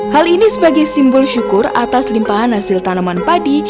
hal ini sebagai simbol syukur atas limpahan hasil tanaman padi